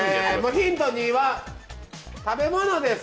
ヒント２は食べ物です。